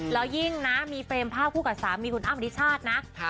แล้วยิ่งนะมีเฟรมภาพคู่กับสามีคุณอ้ำอริชาตินะ